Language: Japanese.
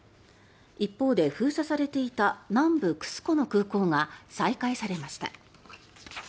一方で、封鎖されていた南部クスコの空港が再開されました。